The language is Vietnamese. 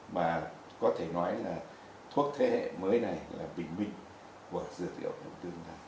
mà có thể nói là thuốc thế hệ mới này là bình minh của dựa điệu của tương lai